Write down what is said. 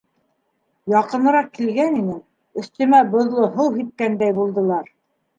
Яҡыныраҡ килгән инем, өҫтөмә боҙло һыу һипкәндәй булдылар.